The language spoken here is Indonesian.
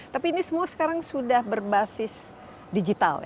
tapi ini semua sekarang sudah berbasis digital